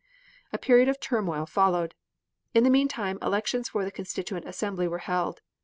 A period of turmoil followed. In the meantime elections for the Constituent Assembly were held.